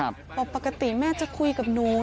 บอกปกติแม่จะคุยกับหนู